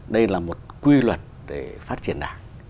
đây là một quy luật để phát triển đảng